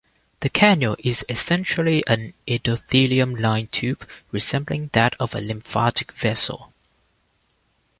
The canal is essentially an endothelium-lined tube, resembling that of a lymphatic vessel.